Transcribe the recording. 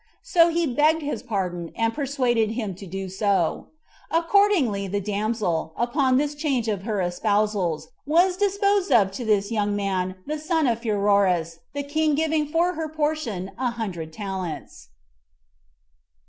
So he begged his pardon, and persuaded him to do so. Accordingly the damsel, upon this change of her espousals, was disposal of to this young man, the son of Pheroras, the king giving for her portion a hundred talents.